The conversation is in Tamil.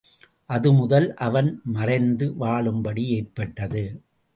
அதுமுதல் அவன் மறைந்து வாழும்படி ஏற்பட்டது.